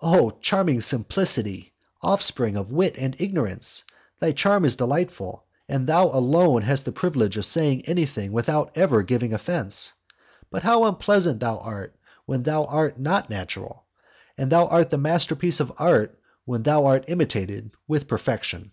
Oh! charming simplicity! offspring of wit and of ignorance! thy charm is delightful, and thou alone hast the privilege of saying anything without ever giving offence! But how unpleasant thou art when thou art not natural! and thou art the masterpiece of art when thou art imitated with perfection!